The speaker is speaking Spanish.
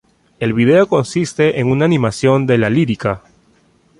El vídeo consiste en una animación de la lírica.